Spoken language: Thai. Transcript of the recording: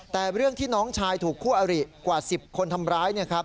แต่เรื่องที่น้องชายถูกคู่อริกว่า๑๐คนทำร้าย